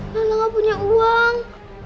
lala gak punya uang